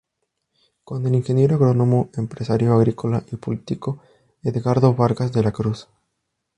Con el Ingeniero Agrónomo, empresario agrícola y político Edgardo Vargas de la Cruz.